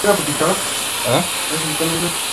V: afectación bilateral.